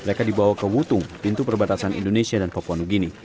mereka dibawa ke wutung pintu perbatasan indonesia dan papua new guinea